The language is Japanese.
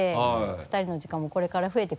２人の時間もこれから増えてくるんで。